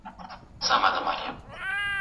د لنډو کیسو څلور مجموعې یې چاپ ته وسپارلې.